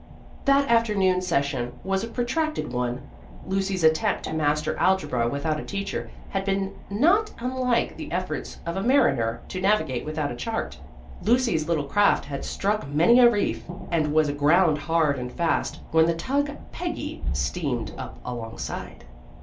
That afternoon session was a protracted one. Lucy's attempt to master algebra without a teacher, had been not unlike the efforts of a mariner to navigate without a chart. Lucy's little craft had struck many a reef, and was aground hard and fast, when the tug "Peggy" steamed up alongside.